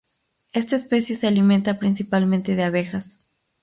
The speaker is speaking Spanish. Esta especie se alimenta principalmente de abejas.